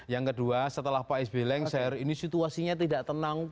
yang kedua setelah pak sby lengser ini situasinya tidak tenang